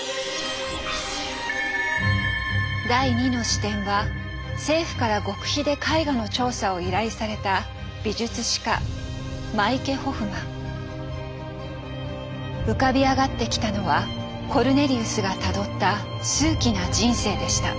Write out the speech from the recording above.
第２の視点は政府から極秘で絵画の調査を依頼された浮かび上がってきたのはコルネリウスがたどった数奇な人生でした。